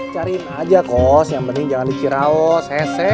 cariin aja kos yang penting jangan diciraus hese